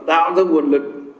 tạo ra nguồn lực